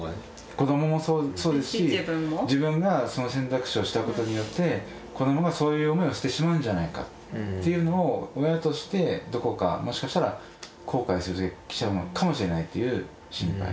子どももそうですし自分がその選択肢をしたことによって子どもがそういう思いをしてしまうんじゃないかっていうのを親としてどこかもしかしたら後悔する時が来ちゃうのかもしれないっていう心配。